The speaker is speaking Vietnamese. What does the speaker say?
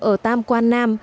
ở tam quan nam